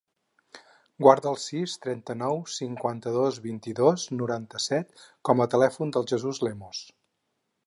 Guarda el sis, trenta-nou, cinquanta-dos, vint-i-dos, noranta-set com a telèfon del Jesús Lemos.